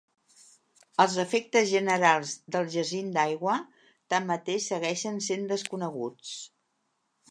Els efectes generals del jacint d'aigua, tanmateix, segueixen sent desconeguts.